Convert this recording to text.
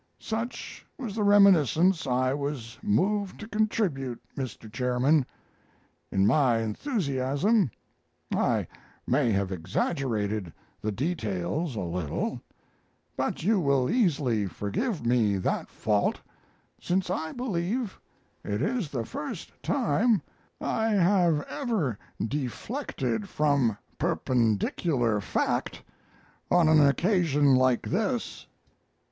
Such was the reminiscence I was moved to contribute, Mr. Chairman. In my enthusiasm I may have exaggerated the details a little, but you will easily forgive me that fault, since I believe it is the first time I have ever deflected from perpendicular fact on an occasion like this.